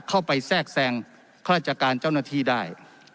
เข้าไปแทรกแทรงคราชการเจ้าหน้าที่ได้